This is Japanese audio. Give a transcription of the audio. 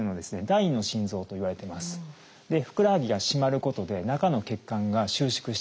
ふくらはぎが締まることで中の血管が収縮してですね